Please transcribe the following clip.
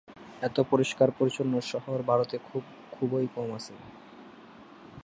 এত পরিষ্কার-পরিচ্ছন শহর ভারতে খুবই কম আছে।